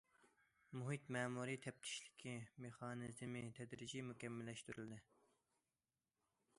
مۇھىت مەمۇرىي تەپتىشلىكى مېخانىزمى تەدرىجىي مۇكەممەللەشتۈرۈلدى.